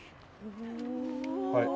はい。